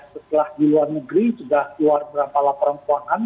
setelah di luar negeri sudah keluar beberapa laporan keuangan